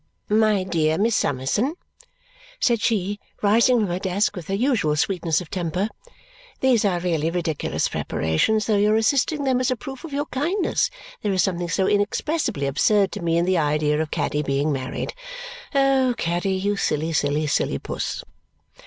"My dear Miss Summerson," said she, rising from her desk with her usual sweetness of temper, "these are really ridiculous preparations, though your assisting them is a proof of your kindness. There is something so inexpressibly absurd to me in the idea of Caddy being married! Oh, Caddy, you silly, silly, silly puss!"